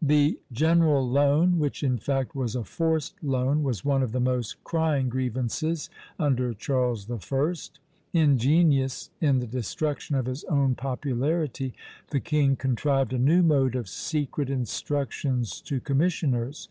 The general loan, which in fact was a forced loan, was one of the most crying grievances under Charles I. Ingenious in the destruction of his own popularity, the king contrived a new mode of "secret instructions to commissioners."